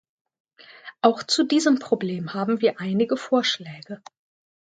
Auch zu diesem Problem haben wir einige Vorschläge.